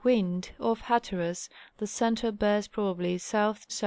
wind off Hatteras the center bears probably S SE.